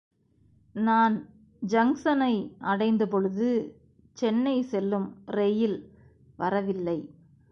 நான் ஜங்க்ஷனை அடைந்தபொழுது சென்னை செல்லும் ரெயில் வரவில்லை.